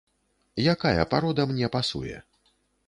Якая парода мне пасуе?